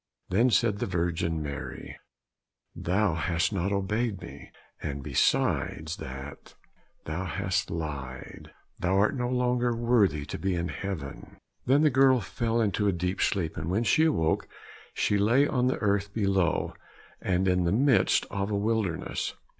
Then said the Virgin Mary, "Thou hast not obeyed me, and besides that thou hast lied, thou art no longer worthy to be in heaven." Then the girl fell into a deep sleep, and when she awoke she lay on the earth below, and in the midst of a wilderness.